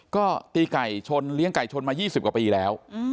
ก็ตีไก่ชนเลี้ยงไก่ชนมา๒๐กว่าปีแล้ว